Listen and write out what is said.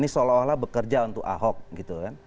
ini seolah olah bekerja untuk ahok gitu kan